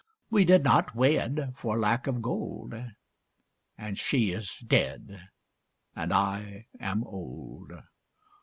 We did not wed, for lack of gold, And she is dead, and I am old.